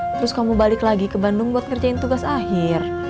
terus kamu balik lagi ke bandung buat ngerjain tugas akhir